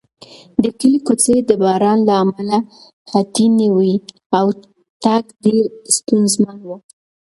د کلي کوڅې د باران له امله خټینې وې او تګ ډېر ستونزمن و.